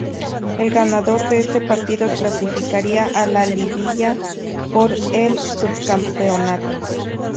El ganador de este partido clasificaría a la liguilla por el subcampeonato.